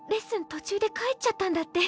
途中で帰っちゃったんだって？